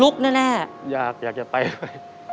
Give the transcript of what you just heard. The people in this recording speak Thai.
อเรนนี่ต้องมีวัคซีนตัวหนึ่งเพื่อที่จะช่วยดูแลพวกม้ามและก็ระบบในร่างกาย